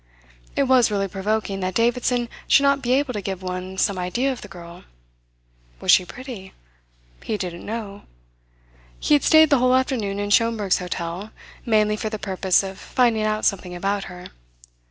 It was really provoking that Davidson should not be able to give one some idea of the girl. Was she pretty? He didn't know. He had stayed the whole afternoon in Schomberg's hotel, mainly for the purpose of finding out something about her.